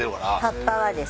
葉っぱはですね。